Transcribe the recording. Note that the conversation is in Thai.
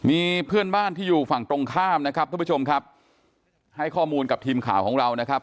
มีเพื่อนบ้านที่อยู่ฝั่งตรงข้ามนะครับทุกผู้ชมครับให้ข้อมูลกับทีมข่าวของเรานะครับ